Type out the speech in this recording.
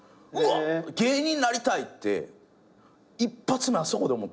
芸人なりたいって一発目あそこで思ったかもしれん。